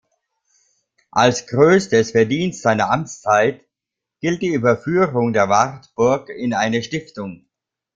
Als größtes Verdienst seiner Amtszeit gilt die Überführung der Wartburg in eine Stiftung.